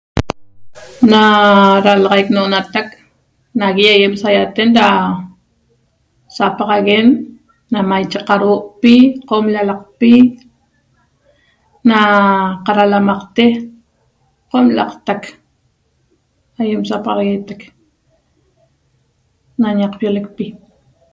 Na ralaxaic no'onatac nagui saiaten ra sapaxaguen na maiche qarhuo'pi qom llalaqpi na qaralamaqte qom la'aqtaq aiem sapaxaguetac na ñaqpiolecpi